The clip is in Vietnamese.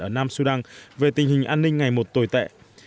ở nam sudan về tình hình an ninh ngày một tồi tệ